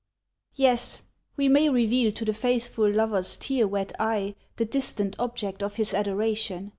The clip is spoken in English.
Yes, we may reveal to the faithful lover's tear wet eye the distant object of his adoration.